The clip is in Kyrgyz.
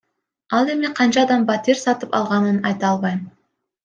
Ал эми канча адам батир сатып алганын айта албайм.